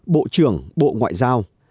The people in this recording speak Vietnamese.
bộ trưởng bộ ngoại giao